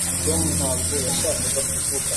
tom ntabwo yashakaga kuvuga